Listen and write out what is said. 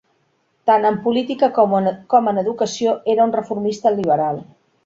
Tant en política com en educació, era un reformista liberal.